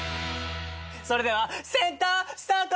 それではセンタースタート！